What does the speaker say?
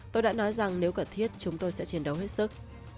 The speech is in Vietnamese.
tôi đã nói rằng nếu cần thiết chúng tôi sẽ chiến đấu hết sức